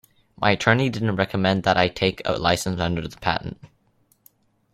My attorney didn't recommend that I take a licence under the patent.